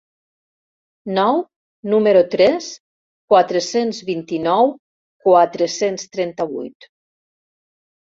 Nou, número tres, quatre-cents vint-i-nou-quatre-cents trenta-vuit.